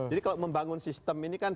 jadi kalau membangun sistem ini kan